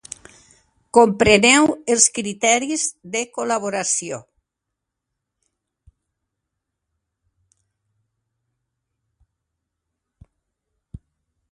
Per això lo xic està en xoc.